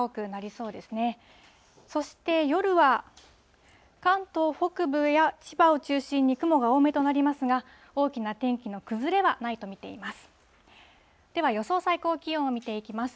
そして夜は関東北部や千葉を中心に雲が多めとなりますが、大きな天気の崩れはないと見ています。